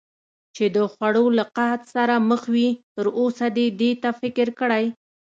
چې د خوړو له قحط سره مخ وي، تراوسه دې دې ته فکر کړی؟